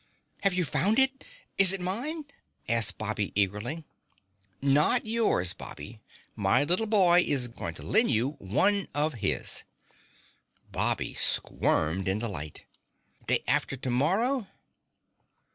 "Have you found it? Is it mine?" asked Bobby eagerly. "Not yours, Bobby. My little boy is going to lend you one of his." Bobby squirmed in delight. "Day after tomorrow?"